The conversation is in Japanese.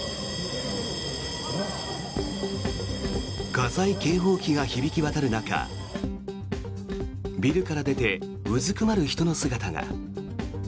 火災警報器が響き渡る中ビルから出てうずくまる人の姿が。